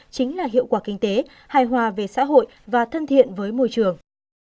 chính là hiệu quả kinh tế hài hòa về xã hội và thân thiện với môi trường